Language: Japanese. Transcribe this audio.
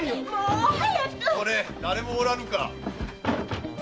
・これ誰もおらぬか？